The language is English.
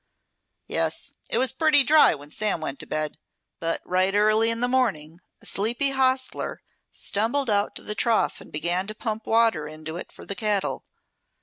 "Yes. It was pretty dry when Sam went to bed; but right early in the morning a sleepy hostler stumbled out to the trough and began to pump water into it for the cattle.